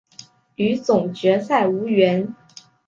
与总决赛无缘。